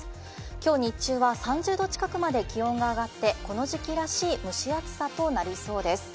今日日中は３０度近くまで気温が上がってこの時期らしい蒸し暑さとなりそうです。